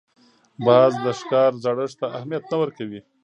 باز د ښکار زړښت ته اهمیت نه ورکوي